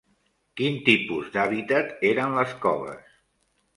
Quin tipus d'habitat eren les coves?